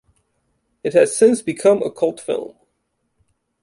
It has since become a cult film.